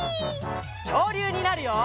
きょうりゅうになるよ！